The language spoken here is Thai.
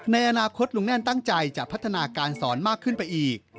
ในอนาคตลุงแน่นตั้งใจจะพัฒนาการสอนมากขึ้นไปอีก